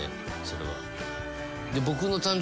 それは。